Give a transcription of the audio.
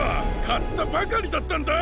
かったばかりだったんだ！